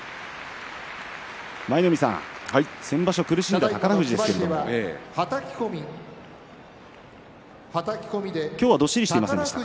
舞の海さん、先場所苦しんだ宝富士ですけれども今日はどっしりしていませんでしたか。